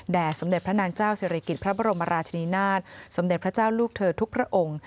สมเด็จพระนางเจ้าศิริกิจพระบรมราชนีนาฏสมเด็จพระเจ้าลูกเธอทุกพระองค์